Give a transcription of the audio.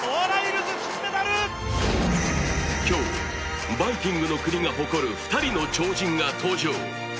今日、バイキングの国が誇る２人の超人が登場。